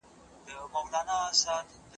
زه د شپې ټیلیفون نه ګورم چې خوب مې خراب نه شي.